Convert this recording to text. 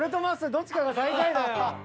どっちかが最下位だよ。